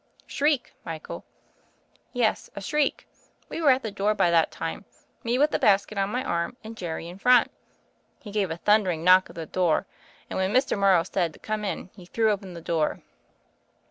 "Shriek, Michael." "Yes — a shriek. We were at the door by that time — me, with the basket on my arm, and Jerry in front. He gave a thundering knock THE FAIRY OF THE SNOWS 59 at the door, and when Mr. Morrow said to come in, he threw open the door.